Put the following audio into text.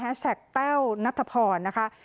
ห้าสแชคแต้วนัทธพร